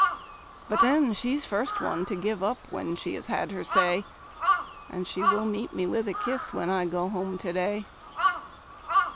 But then she's first one to give up when she has had her say; And she will meet me with a kiss, when I go home to day.